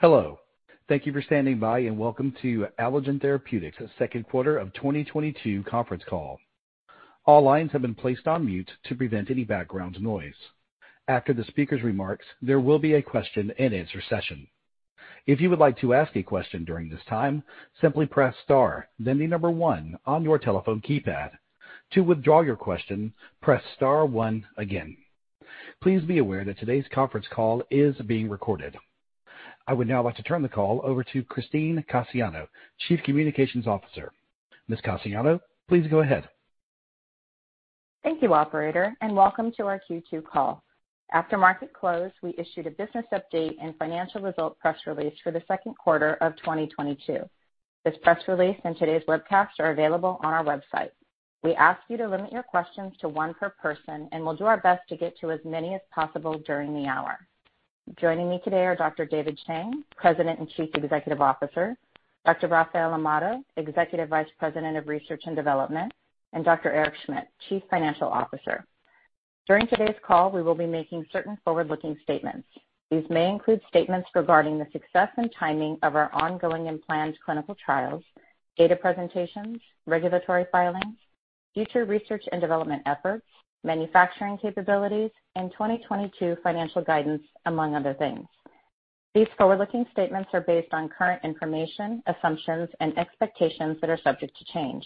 Hello. Thank you for standing by, and welcome to Allogene Therapeutics Second Quarter of 2022 Conference Call. All lines have been placed on mute to prevent any background noise. After the speaker's remarks, there will be a Q&A session. If you would like to ask a question during this time, simply press star, then the number one on your telephone keypad. To withdraw your question, press star one again. Please be aware that today's conference call is being recorded. I would now like to turn the call over to Christine Cassiano, Chief Communications Officer. Ms. Cassiano, please go ahead. Thank you, operator, and welcome to our Q2 call. After market close, we issued a business update and financial result press release for the second quarter of 2022. This press release and today's webcast are available on our website. We ask you to limit your questions to one per person, and we'll do our best to get to as many as possible during the hour. Joining me today are Dr. David Chang, President and Chief Executive Officer, Dr. Rafael Amado, Executive Vice President of Research and Development, and Dr. Eric Schmidt, Chief Financial Officer. During today's call, we will be making certain forward-looking statements. These may include statements regarding the success and timing of our ongoing and planned clinical trials, data presentations, regulatory filings, future research and development efforts, manufacturing capabilities, and 2022 financial guidance, among other things. These forward-looking statements are based on current information, assumptions, and expectations that are subject to change.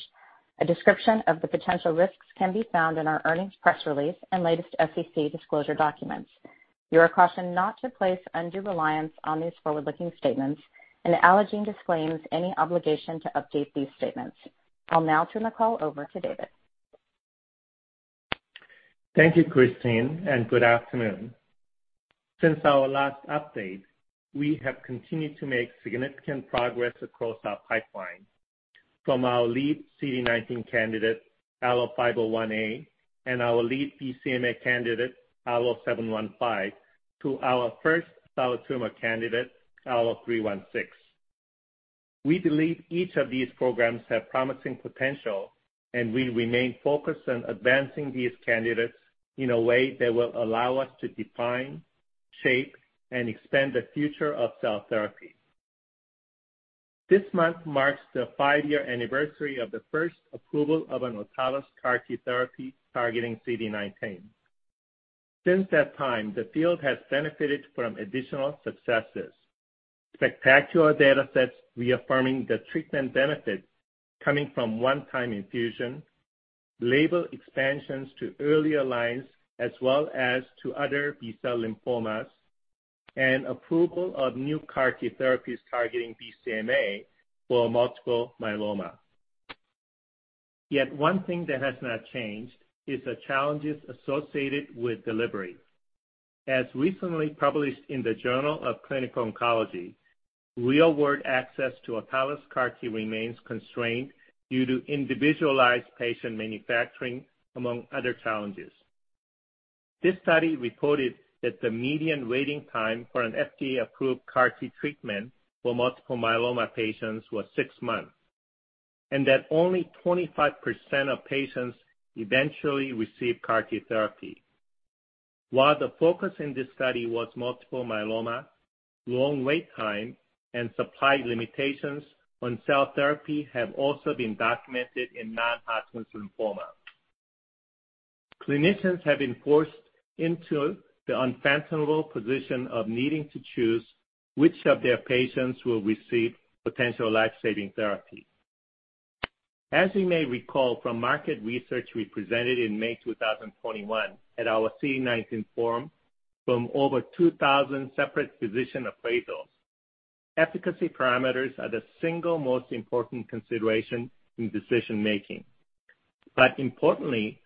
A description of the potential risks can be found in our earnings press release and latest SEC disclosure documents. You are cautioned not to place undue reliance on these forward-looking statements, and Allogene disclaims any obligation to update these statements. I'll now turn the call over to David. Thank you, Christine, and good afternoon. Since our last update, we have continued to make significant progress across our pipeline from our lead CD19 candidate, ALLO-501A, and our lead BCMA candidate, ALLO-715, to our first solid tumor candidate, ALLO-316. We believe each of these programs have promising potential, and we remain focused on advancing these candidates in a way that will allow us to define, shape, and expand the future of cell therapy. This month marks the five-year anniversary of the first approval of an autologous CAR T therapy targeting CD19. Since that time, the field has benefited from additional successes, spectacular datasets reaffirming the treatment benefits coming from one-time infusion, label expansions to earlier lines as well as to other B-cell lymphomas, and approval of new CAR T therapies targeting BCMA for multiple myeloma. Yet one thing that has not changed is the challenges associated with delivery. As recently published in the Journal of Clinical Oncology, real-world access to autologous CAR T remains constrained due to individualized patient manufacturing, among other challenges. This study reported that the median waiting time for an FDA-approved CAR T treatment for multiple myeloma patients was six months, and that only 25% of patients eventually received CAR T therapy. While the focus in this study was multiple myeloma, long wait time and supply limitations on cell therapy have also been documented in non-Hodgkin's lymphoma. Clinicians have been forced into the unfathomable position of needing to choose which of their patients will receive potential life-saving therapy. As you may recall from market research we presented in May 2021 at our CD19 forum, from over 2,000 separate physician appraisals, efficacy parameters are the single most important consideration in decision-making. Importantly,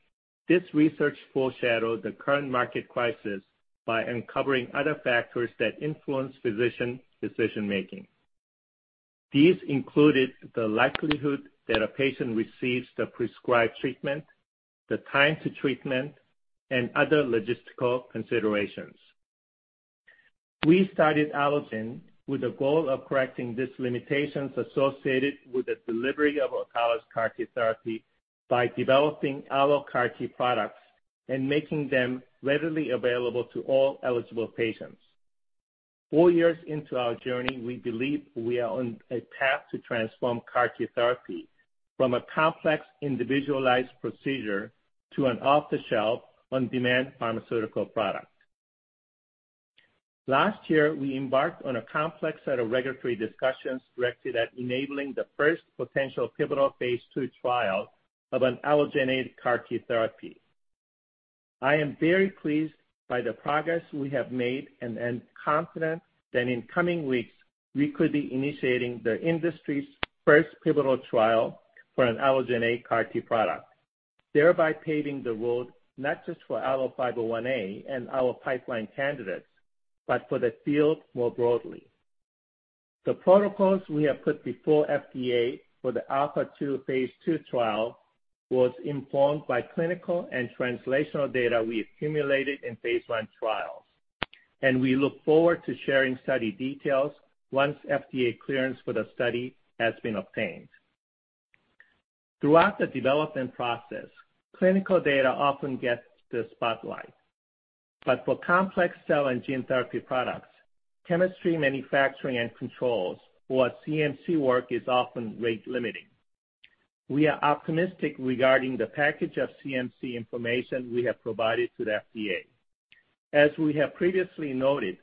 this research foreshadowed the current market crisis by uncovering other factors that influence physician decision-making. These included the likelihood that a patient receives the prescribed treatment, the time to treatment, and other logistical considerations. We started Allogene with the goal of correcting these limitations associated with the delivery of autologous CAR T therapy by developing allo CAR T products and making them readily available to all eligible patients. Four years into our journey, we believe we are on a path to transform CAR T therapy from a complex, individualized procedure to an off-the-shelf, on-demand pharmaceutical product. Last year, we embarked on a complex set of regulatory discussions directed at enabling the first potential pivotal phase II trial of an allogeneic CAR T therapy. I am very pleased by the progress we have made and confident that in coming weeks, we could be initiating the industry's first pivotal trial for an allogeneic CAR T product, thereby paving the road not just for ALLO-501A and our pipeline candidates, but for the field more broadly. The protocols we have put before FDA for the ALPHA2 phase II trial was informed by clinical and translational data we accumulated in phase I trials, and we look forward to sharing study details once FDA clearance for the study has been obtained. Throughout the development process, clinical data often gets the spotlight. But for complex cell and gene therapy products, chemistry, manufacturing, and controls or CMC work is often rate-limiting. We are optimistic regarding the package of CMC information we have provided to the FDA. As we have previously noted,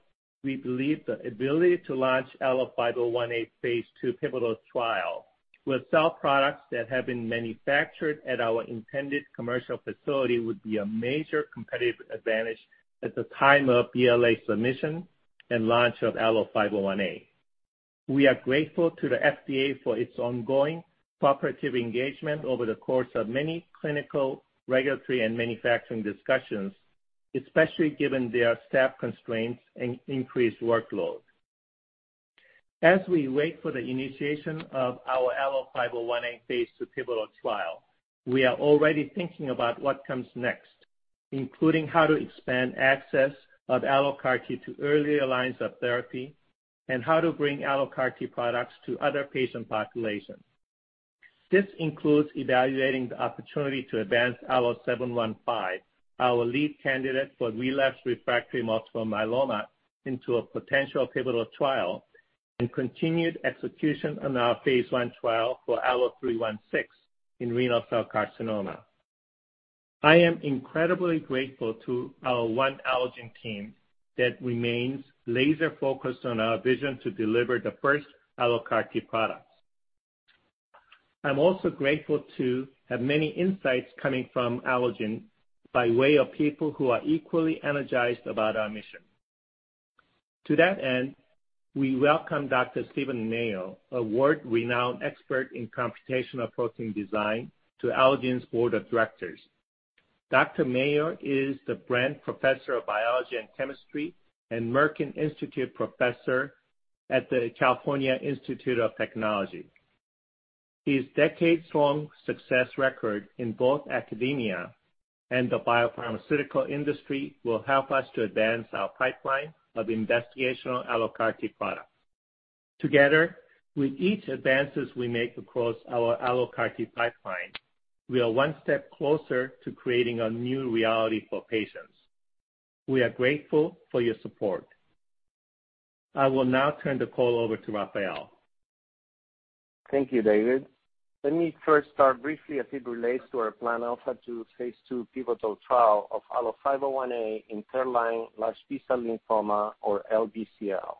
we believe the ability to launch ALLO-501A phase II pivotal trial with cell products that have been manufactured at our intended commercial facility would be a major competitive advantage at the time of BLA submission and launch of ALLO-501A. We are grateful to the FDA for its ongoing cooperative engagement over the course of many clinical, regulatory, and manufacturing discussions, especially given their staff constraints and increased workload. As we wait for the initiation of our ALLO-501A phase II pivotal trial, we are already thinking about what comes next, including how to expand access of AlloCAR T to earlier lines of therapy and how to bring AlloCAR T products to other patient populations. This includes evaluating the opportunity to advance ALLO-715, our lead candidate for relapsed refractory multiple myeloma, into a potential pivotal trial and continued execution on our phase I trial for ALLO-316 in renal cell carcinoma. I am incredibly grateful to our own Allogene team that remains laser-focused on our vision to deliver the first AlloCAR T products. I'm also grateful to have many insights coming from Allogene by way of people who are equally energized about our mission. To that end, we welcome Dr. Stephen Mayo, a world-renowned expert in computational protein design, to Allogene's board of directors. Dr. Mayo is the Bren Professor of Biology and Chemistry and Merkin Institute Professor at the California Institute of Technology. His decades-long success record in both academia and the biopharmaceutical industry will help us to advance our pipeline of investigational AlloCAR T products. Together, with each advance we make across our AlloCAR T pipeline, we are one step closer to creating a new reality for patients. We are grateful for your support. I will now turn the call over to Rafael. Thank you, David. Let me first start briefly as it relates to our planned ALPHA2 phase II pivotal trial of ALLO-501A in third-line large B-cell lymphoma or LBCL.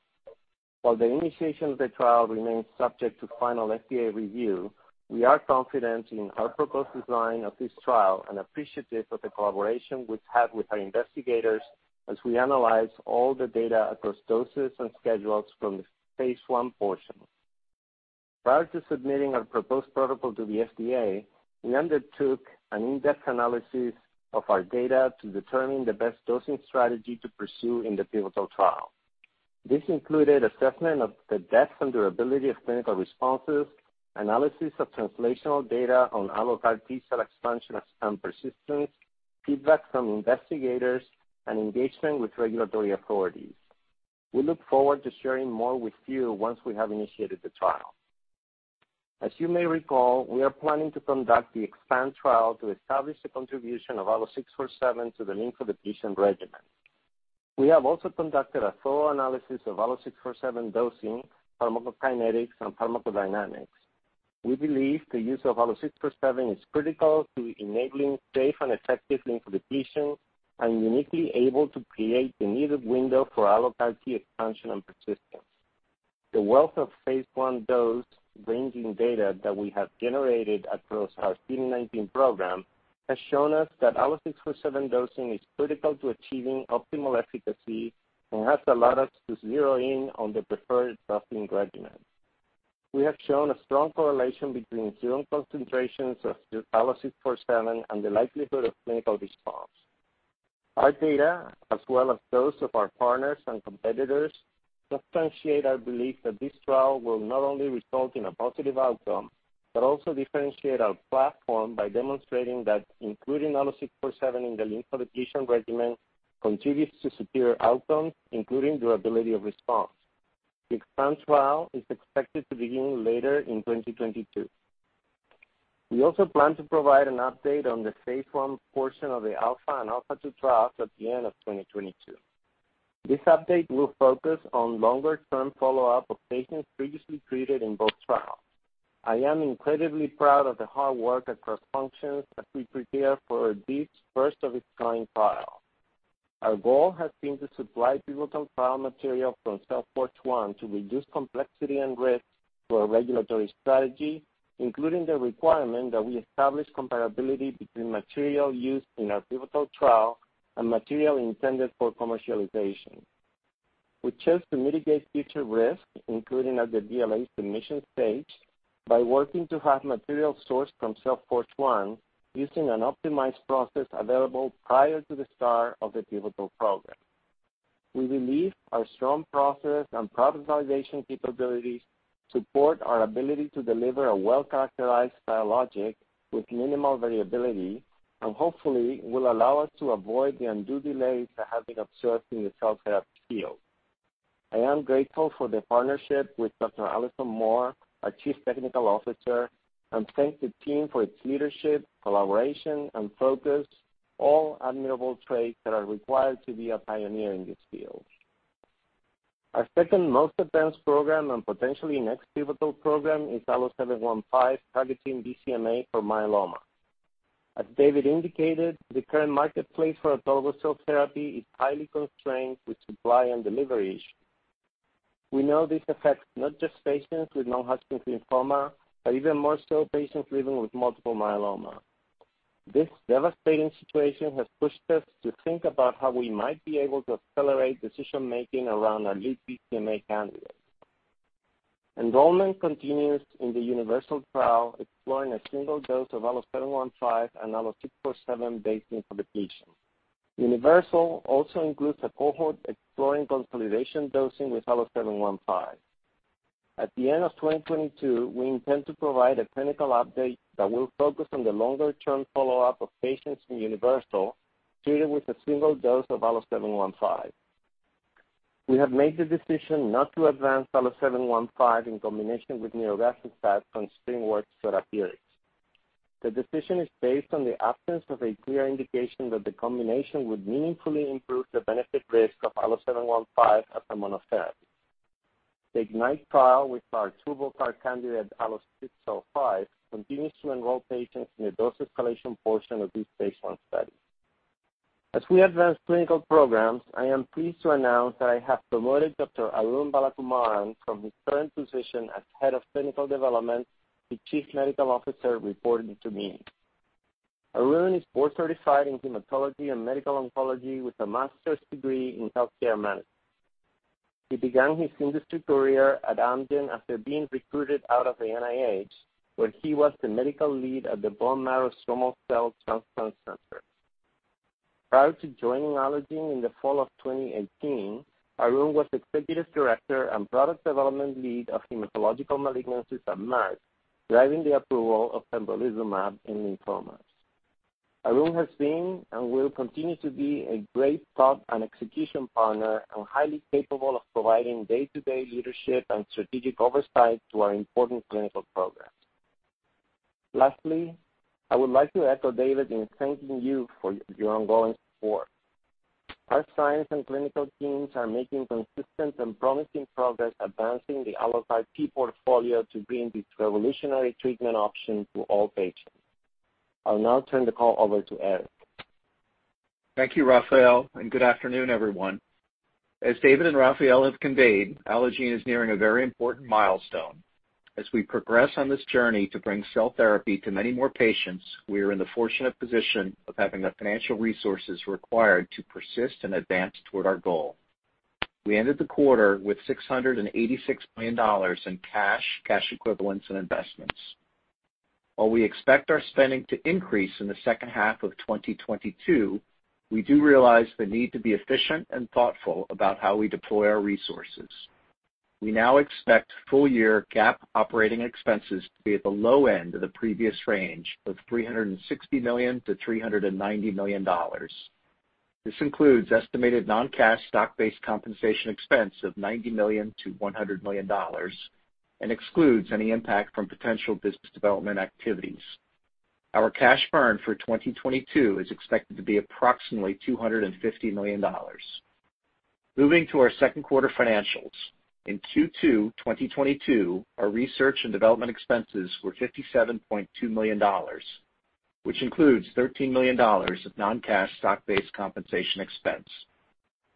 While the initiation of the trial remains subject to final FDA review, we are confident in our proposed design of this trial and appreciative of the collaboration we've had with our investigators as we analyze all the data across doses and schedules from the phase I portion. Prior to submitting our proposed protocol to the FDA, we undertook an in-depth analysis of our data to determine the best dosing strategy to pursue in the pivotal trial. This included assessment of the depth and durability of clinical responses, analysis of translational data on AlloCAR T-cell expansion and persistence, feedback from investigators, and engagement with regulatory authorities. We look forward to sharing more with you once we have initiated the trial. As you may recall, we are planning to conduct the EXPAND trial to establish the contribution of ALLO-647 to the lymphodepletion regimen. We have also conducted a thorough analysis of ALLO-647 dosing, pharmacokinetics, and pharmacodynamics. We believe the use of ALLO-647 is critical to enabling safe and effective lymphodepletion and uniquely able to create the needed window for AlloCAR T expansion and persistence. The wealth of phase I dose ranging data that we have generated across our CD19 program has shown us that ALLO-647 dosing is critical to achieving optimal efficacy and has allowed us to zero in on the preferred dosing regimen. We have shown a strong correlation between serum concentrations of the ALLO-647 and the likelihood of clinical response. Our data, as well as those of our partners and competitors, substantiate our belief that this trial will not only result in a positive outcome, but also differentiate our platform by demonstrating that including ALLO-647 in the lymphodepletion regimen contributes to superior outcomes, including durability of response. The EXPAND trial is expected to begin later in 2022. We also plan to provide an update on the phase I portion of the ALPHA and ALPHA2 trials at the end of 2022. This update will focus on longer term follow-up of patients previously treated in both trials. I am incredibly proud of the hard work across functions as we prepare for this first of its kind trial. Our goal has been to supply pivotal trial material from Cell Forge 1 to reduce complexity and risk through a regulatory strategy, including the requirement that we establish comparability between material used in our pivotal trial and material intended for commercialization. We chose to mitigate future risks, including at the BLA submission stage, by working to have material sourced from Cell Forge 1 using an optimized process available prior to the start of the pivotal program. We believe our strong process and product validation capabilities support our ability to deliver a well-characterized biologic with minimal variability, and hopefully will allow us to avoid the undue delays that have been observed in the cell therapy field. I am grateful for the partnership with Dr. Alison Moore, our Chief Technical Officer, and thank the team for its leadership, collaboration, and focus, all admirable traits that are required to be a pioneer in this field. Our second most advanced program and potentially next pivotal program is ALLO-715 targeting BCMA for myeloma. As David indicated, the current marketplace for autologous cell therapy is highly constrained with supply and delivery issues. We know this affects not just patients with non-Hodgkin's lymphoma, but even more so patients living with multiple myeloma. This devastating situation has pushed us to think about how we might be able to accelerate decision-making around our lead BCMA candidates. Enrollment continues in the UNIVERSAL trial exploring a single dose of ALLO-715 and ALLO-647 based on the patient. UNIVERSAL also includes a cohort exploring consolidation dosing with ALLO-715. At the end of 2022, we intend to provide a clinical update that will focus on the longer-term follow-up of patients in UNIVERSAL treated with a single dose of ALLO-715. We have made the decision not to advance ALLO-715 in combination with nirogacestat from SpringWorks Therapeutics. The decision is based on the absence of a clear indication that the combination would meaningfully improve the benefit risk of ALLO-715 as a monotherapy. The IGNITE trial with our TurboCAR candidate, ALLO-605, continues to enroll patients in the dose escalation portion of this phase I study. As we advance clinical programs, I am pleased to announce that I have promoted Dr. Arun Balakumaran from his current position as Head of Clinical Development to Chief Medical Officer, reporting to me. Arun is board-certified in hematology and medical oncology with a master's degree in healthcare management. He began his industry career at Amgen after being recruited out of the NIH, where he was the medical lead at the Bone Marrow Stromal Cells Transplant Center. Prior to joining Allogene in the fall of 2018, Arun was Executive Director and Product Development Lead of Hematological Malignancies at Merck, driving the approval of pembrolizumab in lymphomas. Arun has been and will continue to be a great thought and execution partner and highly capable of providing day-to-day leadership and strategic oversight to our important clinical programs. Lastly, I would like to echo David in thanking you for your ongoing support. Our science and clinical teams are making consistent and promising progress advancing the AlloCAR T portfolio to bring this revolutionary treatment option to all patients. I'll now turn the call over to Eric. Thank you, Rafael, and good afternoon, everyone. As David and Rafael have conveyed, Allogene is nearing a very important milestone. As we progress on this journey to bring cell therapy to many more patients, we are in the fortunate position of having the financial resources required to persist and advance toward our goal. We ended the quarter with $686 million in cash equivalents, and investments. While we expect our spending to increase in the second half of 2022, we do realize the need to be efficient and thoughtful about how we deploy our resources. We now expect full-year GAAP operating expenses to be at the low end of the previous range of $360 million-$390 million. This includes estimated non-cash stock-based compensation expense of $90 million-$100 million and excludes any impact from potential business development activities. Our cash burn for 2022 is expected to be approximately $250 million. Moving to our second quarter financials, in Q2 2022, our research and development expenses were $57.2 million, which includes $13 million of non-cash stock-based compensation expense.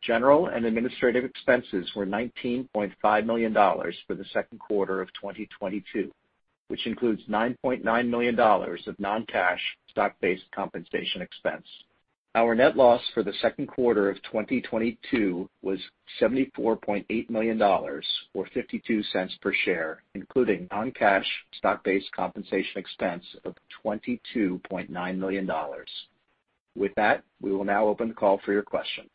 General and administrative expenses were $19.5 million for the second quarter of 2022, which includes $9.9 million of non-cash stock-based compensation expense. Our net loss for the second quarter of 2022 was $74.8 million or $0.52 per share, including non-cash stock-based compensation expense of $22.9 million. With that, we will now open the call for your questions.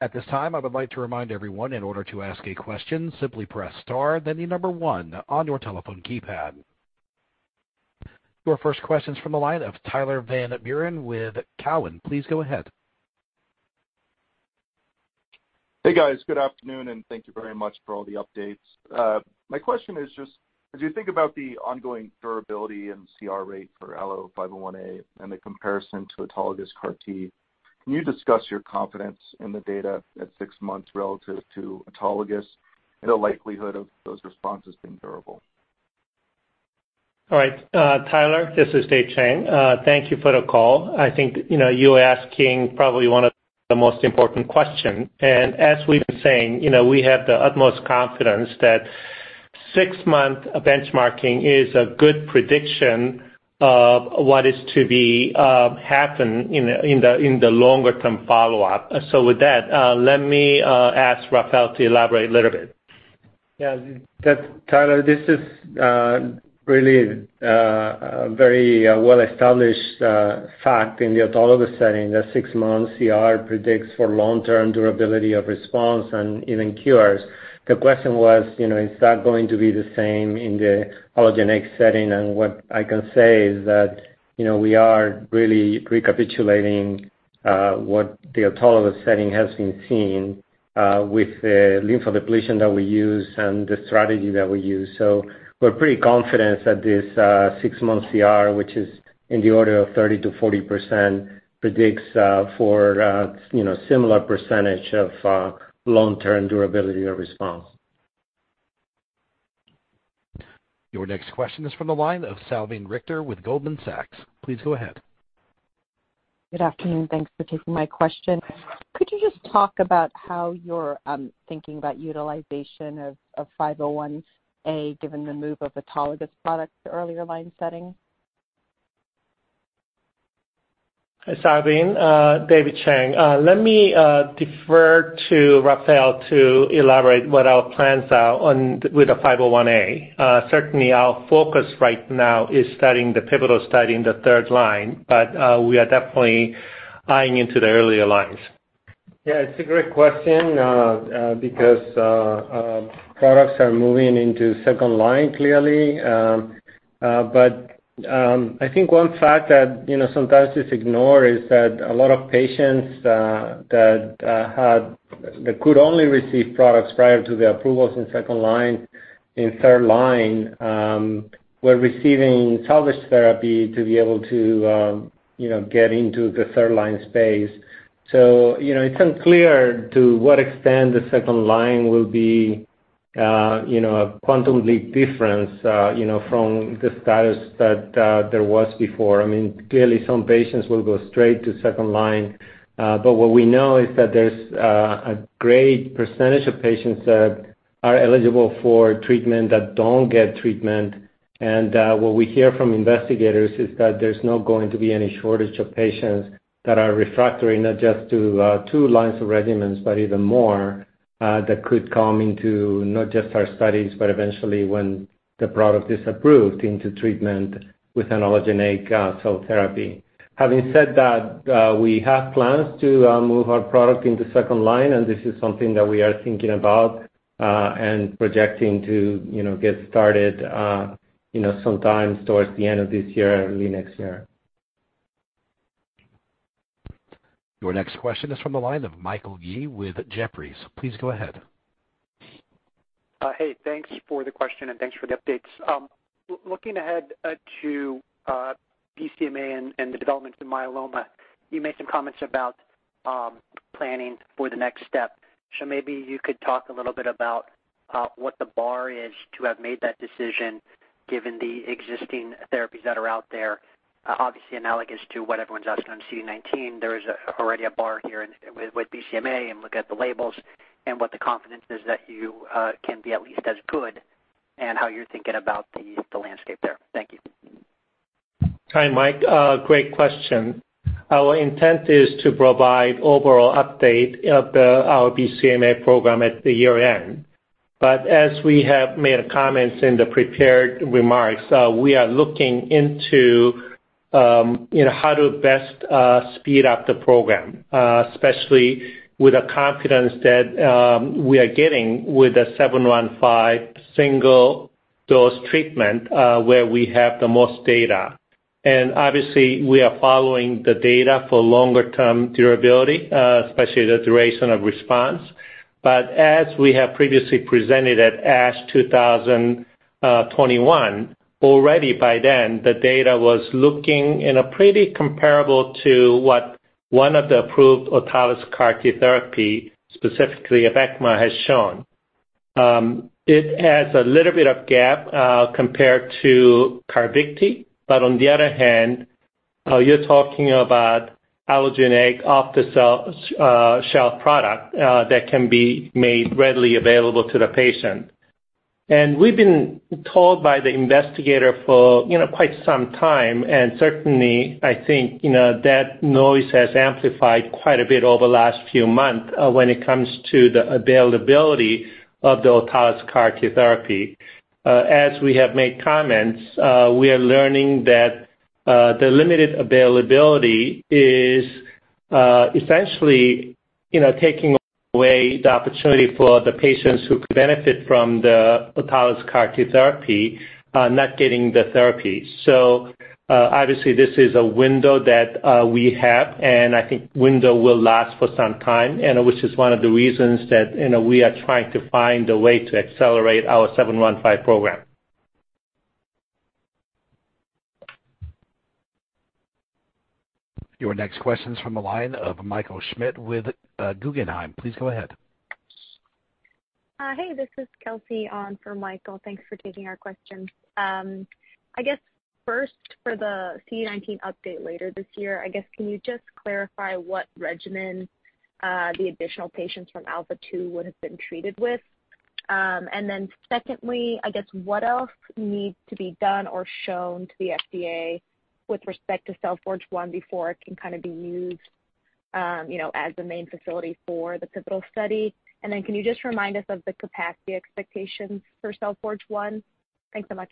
At this time, I would like to remind everyone, in order to ask a question, simply press star then the number one on your telephone keypad. Your first question's from the line of Tyler Van Buren with TD Cowen. Please go ahead. Hey, guys. Good afternoon, and thank you very much for all the updates. My question is just, as you think about the ongoing durability and CR rate for ALLO-501A and the comparison to autologous CAR T, can you discuss your confidence in the data at six months relative to autologous and the likelihood of those responses being durable? All right. Tyler, this is David Chang. Thank you for the call. I think, you know, you're asking probably one of the most important question. As we've been saying, you know, we have the utmost confidence that six-month benchmarking is a good prediction of what is to be happen in the longer-term follow-up. With that, let me ask Rafael to elaborate a little bit. Yeah. Tyler, this is really a very well-established fact in the autologous setting, that six months CR predicts for long-term durability of response and even cures. The question was, you know, is that going to be the same in the allogeneic setting? What I can say is that, you know, we are really recapitulating What the autologous setting has been seen with the lymphodepletion that we use and the strategy that we use. We're pretty confident that this six-month CR, which is in the order of 30%-40%, predicts for you know similar percentage of long-term durability or response. Your next question is from the line of Salveen Richter with Goldman Sachs. Please go ahead. Good afternoon. Thanks for taking my question. Could you just talk about how you're thinking about utilization of 501A, given the move of autologous products to earlier line setting? Hi, Salveen, David Chang. Let me defer to Rafael to elaborate what our plans are on with the 501A. Certainly our focus right now is studying the pivotal study in the third line, but we are definitely eyeing into the earlier lines. Yeah, it's a great question, because products are moving into second line clearly, but I think one fact that, you know, sometimes is ignored is that a lot of patients that could only receive products prior to the approvals in second line, in third line, were receiving salvage therapy to be able to, you know, get into the third line space. You know, it's unclear to what extent the second line will be, you know, a quantum leap difference, you know, from the status that there was before. I mean, clearly some patients will go straight to second line, but what we know is that there's a great percentage of patients that are eligible for treatment that don't get treatment. What we hear from investigators is that there's not going to be any shortage of patients that are refractory not just to two lines of regimens, but even more, that could come into not just our studies, but eventually when the product is approved into treatment with an allogeneic cell therapy. Having said that, we have plans to move our product into second line, and this is something that we are thinking about, and projecting to, you know, get started, you know, sometime towards the end of this year, early next year. Your next question is from the line of Michael Yee with Jefferies. Please go ahead. Hey, thanks for the question, and thanks for the updates. Looking ahead to BCMA and the developments in myeloma, you made some comments about planning for the next step. Maybe you could talk a little bit about what the bar is to have made that decision given the existing therapies that are out there, obviously analogous to what everyone's asking on CD19. There is already a bar here with BCMA and look at the labels and what the confidence is that you can be at least as good and how you're thinking about the landscape there. Thank you. Hi, Mike. Great question. Our intent is to provide overall update of our BCMA program at the year-end. As we have made comments in the prepared remarks, we are looking into, you know, how to best speed up the program, especially with the confidence that we are getting with the 715 single dose treatment, where we have the most data. Obviously we are following the data for longer term durability, especially the duration of response. As we have previously presented at ASH 2021, already by then the data was looking pretty comparable to what one of the approved autologous CAR T therapy, specifically ABECMA, has shown. It has a little bit of a gap, compared to CARVYKTI. On the other hand, you're talking about allogeneic off-the-shelf product that can be made readily available to the patient. We've been told by the investigator for, you know, quite some time, and certainly I think, you know, that noise has amplified quite a bit over the last few months when it comes to the availability of the autologous CAR T therapy. As we have made comments, we are learning that the limited availability is essentially, you know, taking away the opportunity for the patients who could benefit from the autologous CAR T therapy, not getting the therapy. Obviously this is a window that we have, and I think window will last for some time, and which is one of the reasons that you know we are trying to find a way to accelerate our 715 program. Your next question is from the line of Michael Schmidt with Guggenheim. Please go ahead. Hey, this is Kelsey on for Michael. Thanks for taking our question. I guess first for the CD19 update later this year, I guess can you just clarify what regimen, the additional patients from ALPHA2 would have been treated with? Secondly, I guess what else needs to be done or shown to the FDA with respect to Cell Forge 1 before it can kind of be used, as the main facility for the pivotal study? Can you just remind us of the capacity expectations for Cell Forge 1? Thanks so much.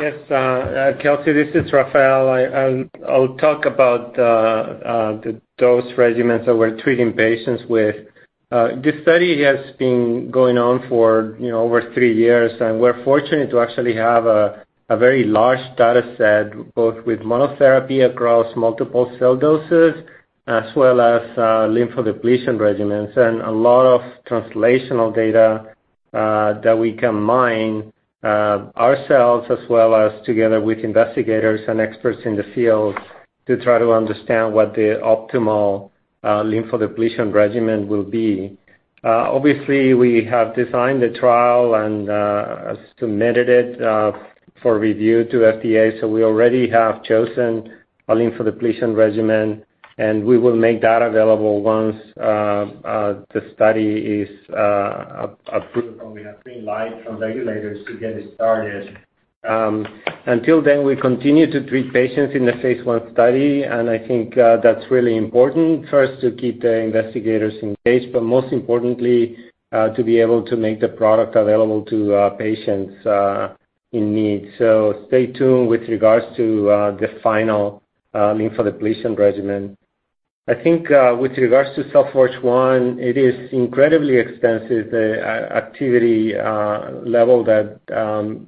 Yes, Kelsey, this is Rafael. I'll talk about the dose regimens that we're treating patients with. This study has been going on for, you know, over three years, and we're fortunate to actually have a very large data set, both with monotherapy across multiple cell doses as well as lymphodepletion regimens, and a lot of translational data that we can mine ourselves as well as together with investigators and experts in the field to try to understand what the optimal lymphodepletion regimen will be. Obviously, we have designed the trial and submitted it for review to FDA, so we already have chosen a lymphodepletion regimen, and we will make that available once the study is approved, or we have green light from regulators to get it started. Until then, we continue to treat patients in the phase I study, and I think that's really important for us to keep the investigators engaged, but most importantly, to be able to make the product available to patients in need. Stay tuned with regards to the final lymphodepletion regimen. I think with regards to Cell Forge 1, it is incredibly expensive, the activity level that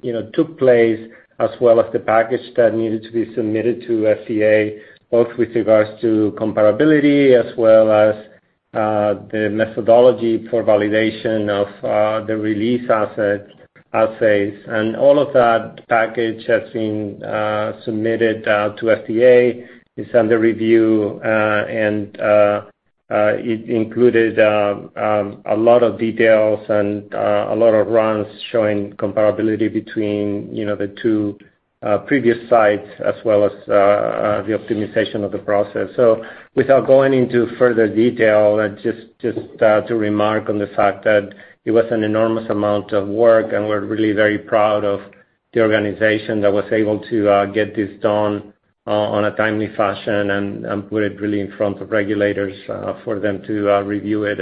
you know took place as well as the package that needed to be submitted to FDA, both with regards to comparability as well as the methodology for validation of the release assays. All of that package has been submitted to FDA. It's under review, and it included a lot of details and a lot of runs showing comparability between, you know, the two previous sites as well as the optimization of the process. Without going into further detail and just to remark on the fact that it was an enormous amount of work, and we're really very proud of the organization that was able to get this done on a timely fashion and put it really in front of regulators for them to review it.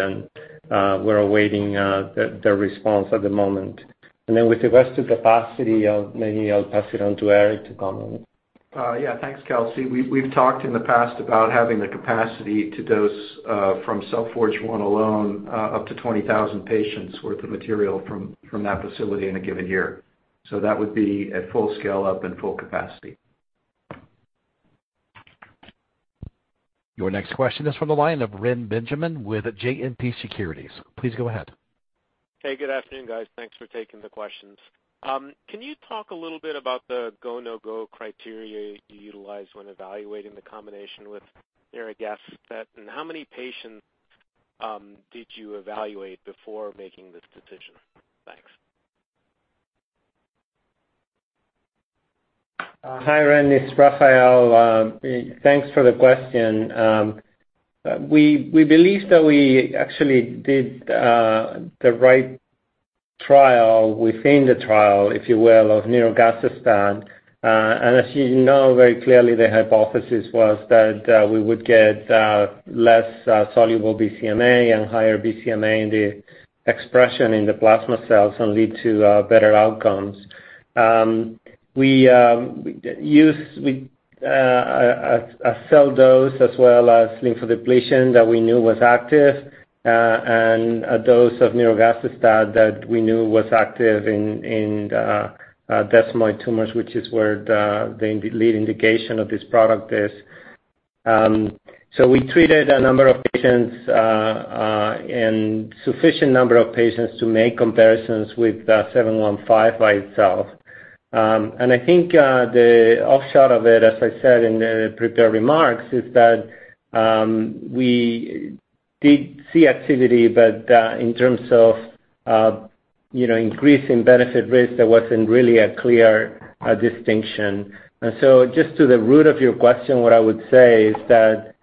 We're awaiting their response at the moment. With regards to capacity, maybe I'll pass it on to Eric to comment. Yeah. Thanks, Kelsey. We've talked in the past about having the capacity to dose from Cell Forge 1 alone up to 20,000 patients worth of material from that facility in a given year. That would be at full scale up and full capacity. Your next question is from the line of Reni Benjamin with JMP Securities. Please go ahead. Hey, good afternoon, guys. Thanks for taking the questions. Can you talk a little bit about the go, no-go criteria you utilize when evaluating the combination with nirogacestat, and how many patients did you evaluate before making this decision? Thanks. Hi, Ren. It's Rafael. Thanks for the question. We believe that we actually did the right trial within the trial, if you will, of nirogacestat. As you know very clearly, the hypothesis was that we would get less soluble BCMA and higher BCMA in the expression in the plasma cells and lead to better outcomes. We used a cell dose as well as lymphodepletion that we knew was active, and a dose of nirogacestat that we knew was active in desmoid tumors, which is where the lead indication of this product is. We treated a number of patients and sufficient number of patients to make comparisons with 715 by itself. I think the offshoot of it, as I said in the prepared remarks, is that we did see activity, but in terms of you know, increase in benefit-risk, there wasn't really a clear distinction. Just to the root of your question, what I would say is that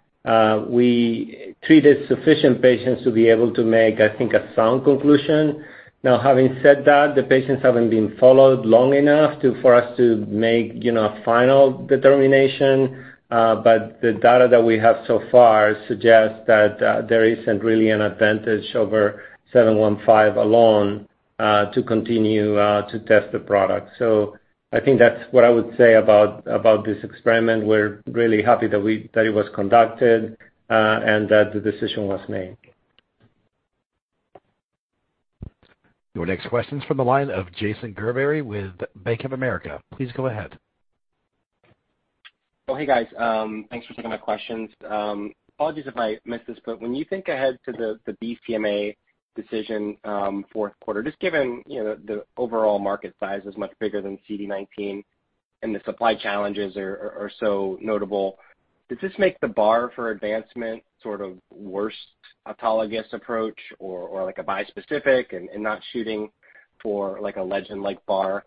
we treated sufficient patients to be able to make, I think, a sound conclusion. Now, having said that, the patients haven't been followed long enough for us to make you know, a final determination. But the data that we have so far suggests that there isn't really an advantage over 715 alone to continue to test the product. I think that's what I would say about this experiment. We're really happy that it was conducted and that the decision was made. Your next question's from the line of Jason Gerberry with Bank of America. Please go ahead. Oh, hey, guys. Thanks for taking my questions. Apologies if I missed this, but when you think ahead to the BCMA decision, fourth quarter, just given, you know, the overall market size is much bigger than CD19 and the supply challenges are so notable, does this make the bar for advancement sort of versus autologous approach or like a bispecific and not shooting for like a Legend-like bar?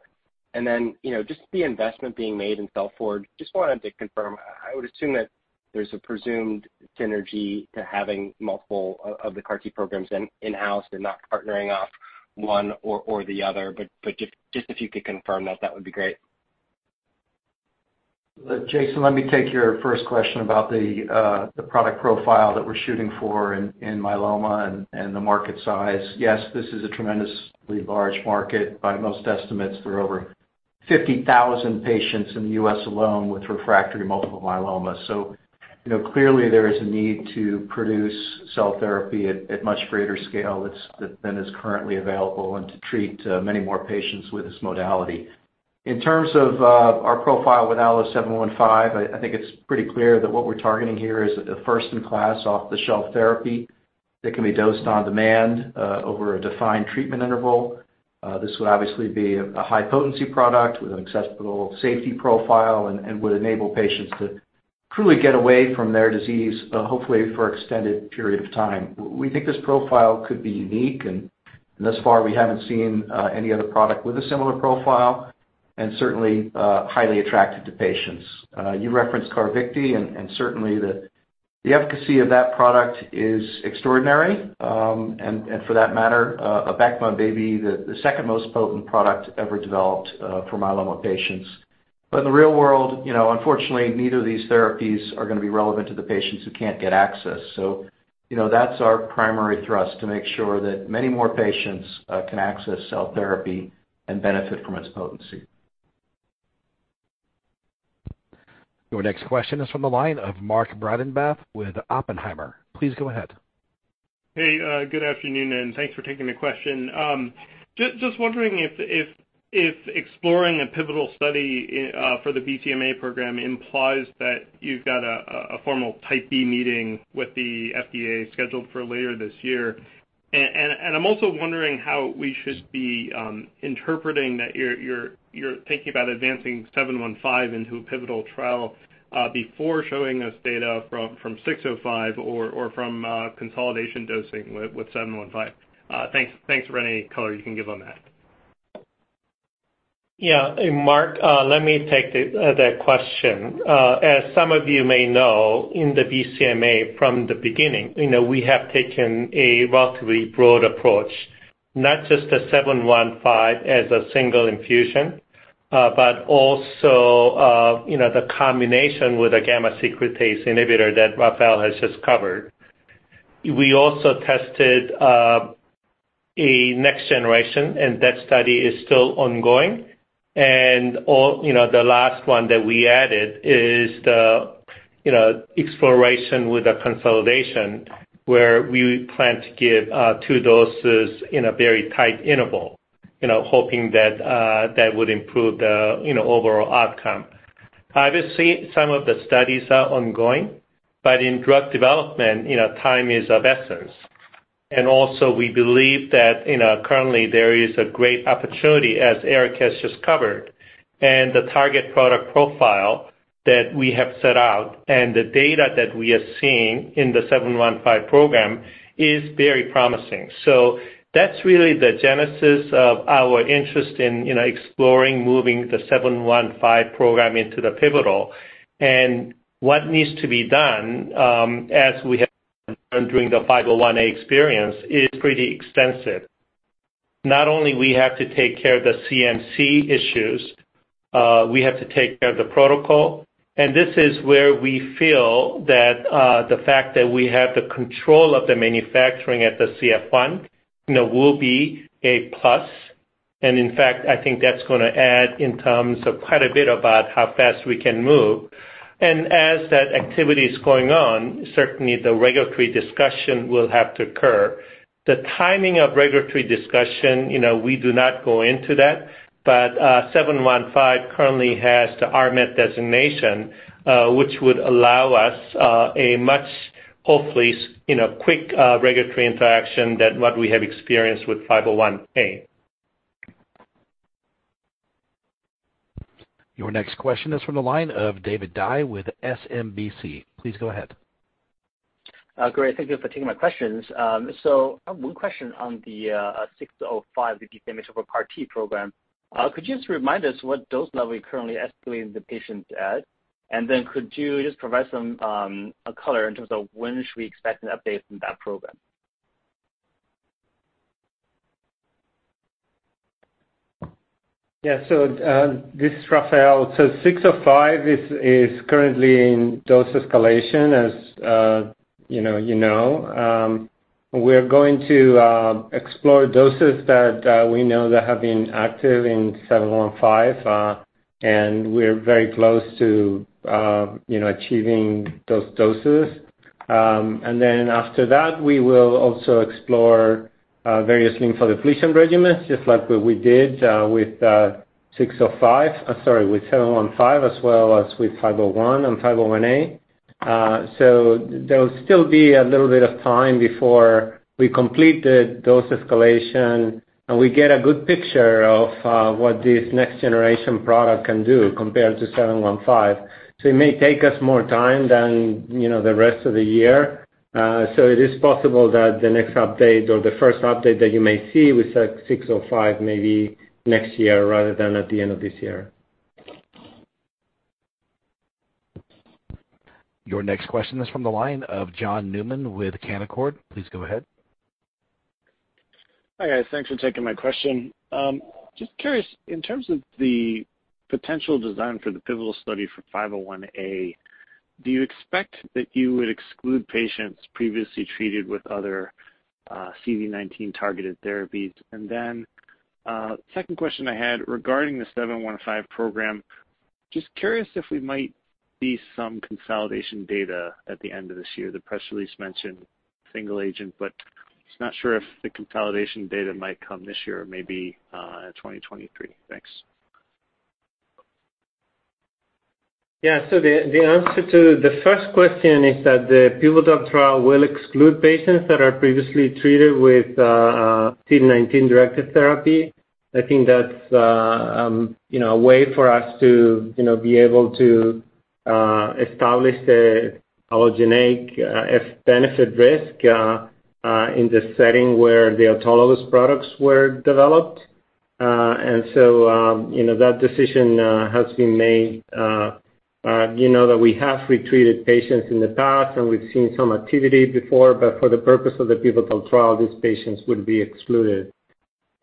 You know, just the investment being made in Cell Forge, just wanted to confirm. I would assume that there's a presumed synergy to having multiple of the CAR T programs in-house and not partnering up one or the other. Just if you could confirm that would be great. Jason, let me take your first question about the product profile that we're shooting for in myeloma and the market size. Yes, this is a tremendously large market. By most estimates, we're over 50,000 patients in the U.S. alone with refractory multiple myeloma. You know, clearly there is a need to produce cell therapy at much greater scale that's greater than is currently available and to treat many more patients with this modality. In terms of our profile with ALLO-715, I think it's pretty clear that what we're targeting here is a first in class off-the-shelf therapy that can be dosed on demand over a defined treatment interval. This would obviously be a high potency product with an acceptable safety profile and would enable patients to truly get away from their disease, hopefully for extended period of time. We think this profile could be unique, and thus far we haven't seen any other product with a similar profile and certainly highly attractive to patients. You referenced CARVYKTI, and certainly the efficacy of that product is extraordinary. For that matter, ABECMA may be the second most potent product ever developed for myeloma patients. In the real world, you know, unfortunately, neither of these therapies are gonna be relevant to the patients who can't get access. You know, that's our primary thrust, to make sure that many more patients can access cell therapy and benefit from its potency. Your next question is from the line of Mark Breidenbach with Oppenheimer. Please go ahead. Hey, good afternoon, and thanks for taking the question. Just wondering if exploring a pivotal study for the BCMA program implies that you've got a formal type B meeting with the FDA scheduled for later this year. I'm also wondering how we should be interpreting that you're thinking about advancing 715 into a pivotal trial before showing us data from 605 or from consolidation dosing with 715. Thanks for any color you can give on that. Yeah. Mark, let me take that question. As some of you may know, in the BCMA from the beginning, you know, we have taken a relatively broad approach, not just the 715 as a single infusion, but also, you know, the combination with a gamma secretase inhibitor that Rafael has just covered. We also tested a next generation, and that study is still ongoing. All, you know, the last one that we added is the exploration with a consolidation where we plan to give two doses in a very tight interval, you know, hoping that that would improve the overall outcome. Obviously, some of the studies are ongoing, but in drug development, you know, time is of the essence. Also we believe that, you know, currently there is a great opportunity, as Eric has just covered, and the target product profile that we have set out and the data that we are seeing in the 715 program is very promising. That's really the genesis of our interest in, you know, exploring moving the 715 program into the pivotal. What needs to be done, as we have done during the 501A experience is pretty extensive. Not only we have to take care of the CMC issues, we have to take care of the protocol. This is where we feel that, the fact that we have the control of the manufacturing at the Cell Forge 1, you know, will be a plus. In fact, I think that's gonna add in terms of quite a bit about how fast we can move. As that activity is going on, certainly the regulatory discussion will have to occur. The timing of regulatory discussion, you know, we do not go into that, but, ALLO-715 currently has the RMAT designation, which would allow us, a much, hopefully, you know, quick regulatory interaction than what we have experienced with ALLO-501A. Your next question is from the line of David Dai with SMBC. Please go ahead. Great. Thank you for taking my questions. One question on the 605, the BCMA CAR T program. Could you just remind us what dose level you're currently escalating the patient at? Could you just provide some color in terms of when should we expect an update from that program? Yeah. This is Rafael. 605 is currently in dose escalation, as you know. We're going to explore doses that we know that have been active in 715, and we're very close to you know, achieving those doses. And then after that, we will also explore various lymphodepletion regimens, just like what we did with 715 as well as with 501 and 501A. So there'll still be a little bit of time before we complete the dose escalation, and we get a good picture of what this next generation product can do compared to 715. It may take us more time than you know, the rest of the year. It is possible that the next update or the first update that you may see with ALLO-605 may be next year rather than at the end of this year. Your next question is from the line of John Newman with Canaccord. Please go ahead. Hi, guys. Thanks for taking my question. Just curious, in terms of the potential design for the pivotal study for 501A Do you expect that you would exclude patients previously treated with other, CD19 targeted therapies? Second question I had regarding the 715 program, just curious if we might see some consolidation data at the end of this year. The press release mentioned single agent, but just not sure if the consolidation data might come this year or maybe 2023. Thanks. Yeah. The answer to the first question is that the pivotal trial will exclude patients that are previously treated with CD19 directed therapy. I think that's you know a way for us to you know be able to establish the allogeneic efficacy, benefit-risk in the setting where the autologous products were developed. You know that decision has been made. You know that we have retreated patients in the past, and we've seen some activity before, but for the purpose of the pivotal trial, these patients would be excluded.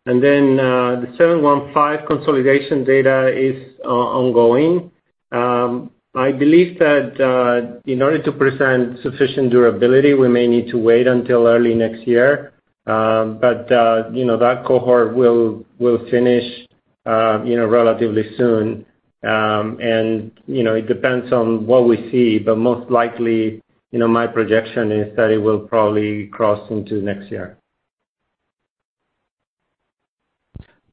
The 715 consolidation data is ongoing. I believe that in order to present sufficient durability, we may need to wait until early next year. you know, that cohort will finish, you know, relatively soon. You know, it depends on what we see, but most likely, you know, my projection is that it will probably cross into next year.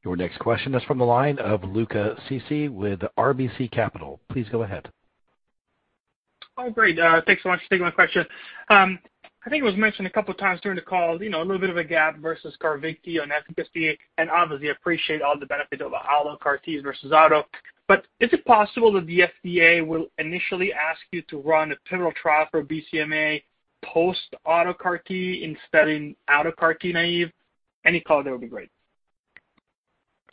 Your next question is from the line of Luca Issi with RBC Capital. Please go ahead. Oh, great. Thanks so much for taking my question. I think it was mentioned a couple of times during the call, you know, a little bit of a gap versus CARVYKTI on FDA, and obviously appreciate all the benefits of allo CAR Ts versus auto. Is it possible that the FDA will initially ask you to run a pivotal trial for BCMA post auto CAR T instead in auto CAR T naive? Any call there would be great.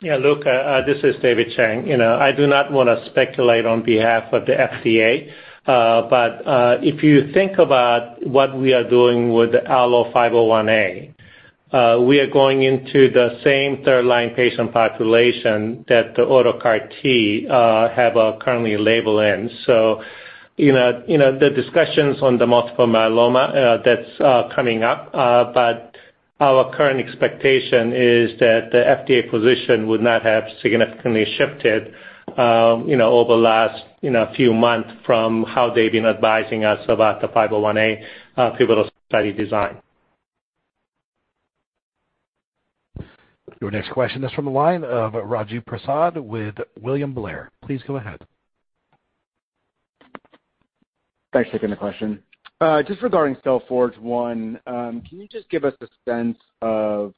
Yeah. Luca Issi, this is David Chang. You know, I do not wanna speculate on behalf of the FDA. If you think about what we are doing with the ALLO-501A, we are going into the same third-line patient population that the auto CAR T have currently labeling. You know, the discussions on the multiple myeloma, that's coming up, but our current expectation is that the FDA position would not have significantly shifted, you know, over the last few months from how they've been advising us about the ALLO-501A pivotal study design. Your next question is from the line of Raju Prasad with William Blair. Please go ahead. Thanks for taking the question. Just regarding Cell Forge 1, can you just give us a sense of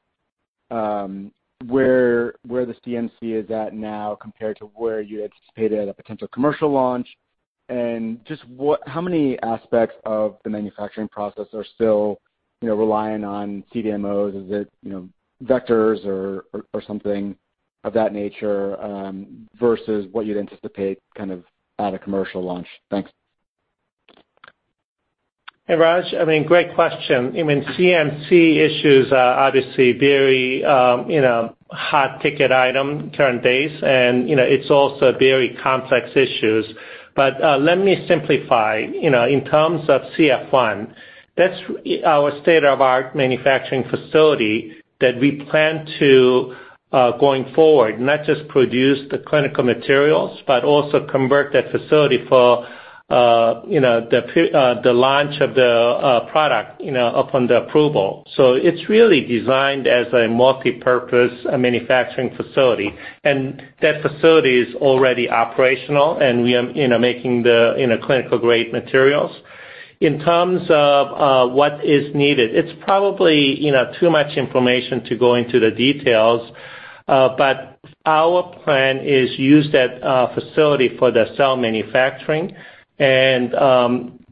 where the CMC is at now compared to where you anticipated a potential commercial launch? How many aspects of the manufacturing process are still, you know, relying on CDMOs? Is it, you know, vectors or something of that nature versus what you'd anticipate kind of at a commercial launch? Thanks. Hey, Raj. I mean, great question. I mean, CMC issues are obviously very, you know, hot ticket item these days, and, you know, it's also very complex issues. But let me simplify. You know, in terms of Cell Forge 1, that's our state-of-the-art manufacturing facility that we plan to, going forward, not just produce the clinical materials, but also convert that facility for, you know, the launch of the product, you know, upon the approval. So it's really designed as a multipurpose manufacturing facility. That facility is already operational, and we are, you know, making the clinical grade materials. In terms of what is needed, it's probably, you know, too much information to go into the details, but our plan is use that facility for the cell manufacturing and,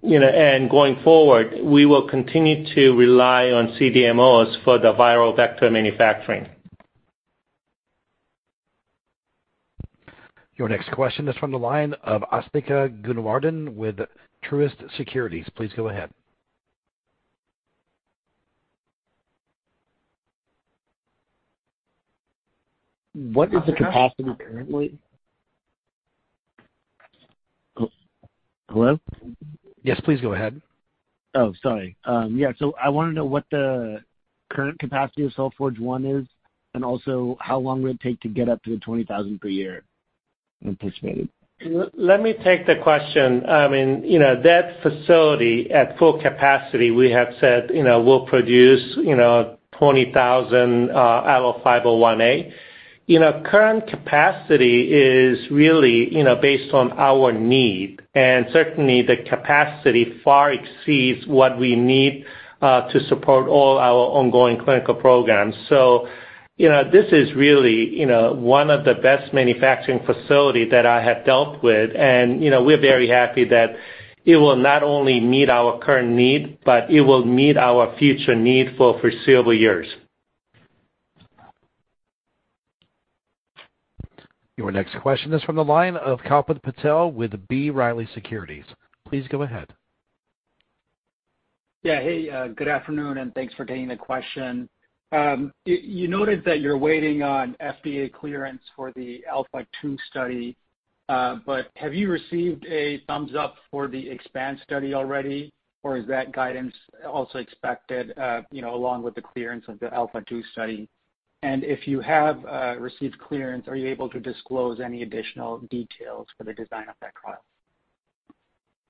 you know, and going forward, we will continue to rely on CDMOs for the viral vector manufacturing. Your next question is from the line of Asthika Goonewardene with Truist Securities. Please go ahead. What is the capacity currently? Hello? Yes, please go ahead. I wanna know what the current capacity of Cell Forge 1 is, and also how long will it take to get up to the 20,000 per year anticipated? Let me take the question. I mean, you know, that facility at full capacity, we have said, you know, will produce, you know, 20,000 ALLO-501A. You know, current capacity is really, you know, based on our need, and certainly the capacity far exceeds what we need to support all our ongoing clinical programs. You know, this is really, you know, one of the best manufacturing facility that I have dealt with. You know, we're very happy that it will not only meet our current need, but it will meet our future need for foreseeable years. Your next question is from the line of Kalpit Patel with B. Riley Securities. Please go ahead. Good afternoon, and thanks for taking the question. You noted that you're waiting on FDA clearance for the ALPHA2 study, but have you received a thumbs up for the EXPAND study already, or is that guidance also expected, you know, along with the clearance of the ALPHA2 study? If you have received clearance, are you able to disclose any additional details for the design of that trial?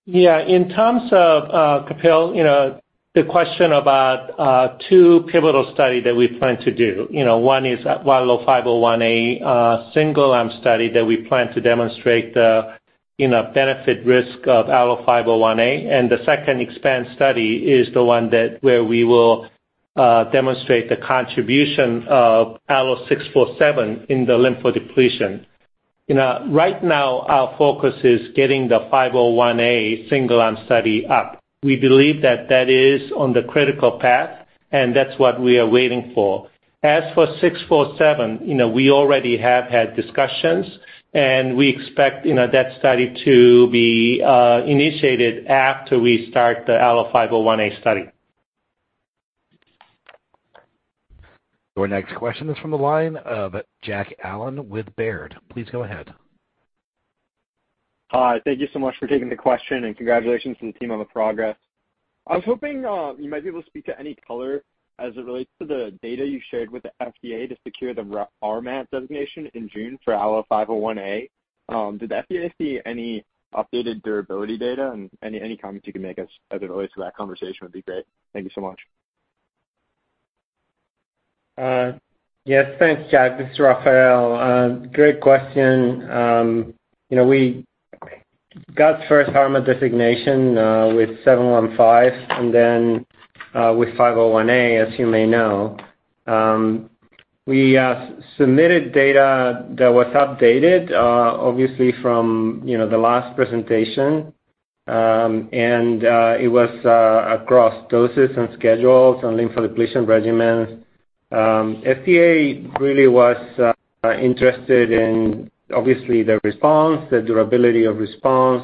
Yeah. In terms of, Kalpit, you know, the question about, two pivotal study that we plan to do. You know, one is at ALLO-501A, single-arm study that we plan to demonstrate the, you know, benefit-risk of ALLO-501A. The second EXPAND study is the one that where we will, demonstrate the contribution of ALLO-647 in the lymphodepletion. You know, right now, our focus is getting the ALLO-501A single-arm study up. We believe that is on the critical path, and that's what we are waiting for. As for ALLO-647, you know, we already have had discussions, and we expect, you know, that study to be, initiated after we start the ALLO-501A study. Your next question is from the line of Jack Allen with Baird. Please go ahead. Hi. Thank you so much for taking the question, and congratulations to the team on the progress. I was hoping you might be able to speak to any color as it relates to the data you shared with the FDA to secure the RMAT designation in June for ALLO-501A. Did the FDA see any updated durability data and any comments you can make as it relates to that conversation would be great. Thank you so much. Yes, thanks, Jack. This is Rafael. Great question. You know, we got first RMAT designation with 715, and then with 501A, as you may know. We submitted data that was updated, obviously from, you know, the last presentation. It was across doses and schedules and lymphodepletion regimens. FDA really was interested in obviously the response, the durability of response,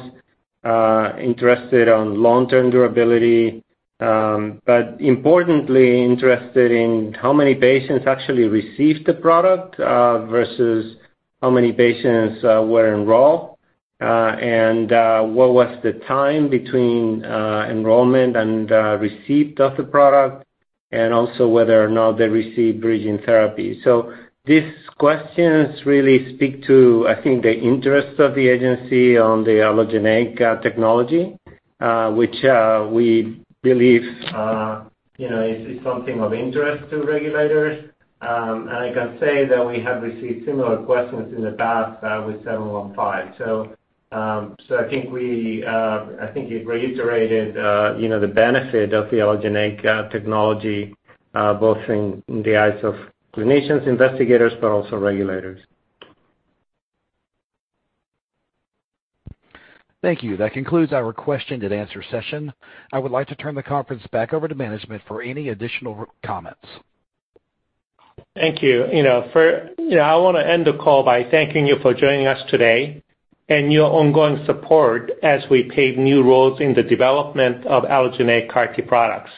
interested in long-term durability, but importantly interested in how many patients actually received the product versus how many patients were enrolled, and what was the time between enrollment and receipt of the product, and also whether or not they received bridging therapy. These questions really speak to, I think, the interest of the agency on the allogeneic technology, which we believe, you know, is something of interest to regulators. I can say that we have received similar questions in the past with ALLO-715. I think it reiterated, you know, the benefit of the allogeneic technology both in the eyes of clinicians, investigators, but also regulators. Thank you. That concludes our Q&A session. I would like to turn the conference back over to management for any additional comments. Thank you. You know, I wanna end the call by thanking you for joining us today and your ongoing support as we pave new roads in the development of allogeneic CAR T products.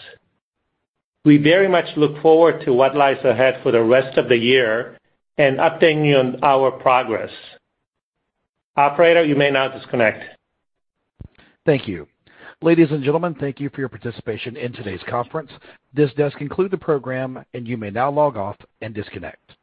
We very much look forward to what lies ahead for the rest of the year and updating you on our progress. Operator, you may now disconnect. Thank you. Ladies and gentlemen, thank you for your participation in today's conference. This does conclude the program, and you may now log off and disconnect.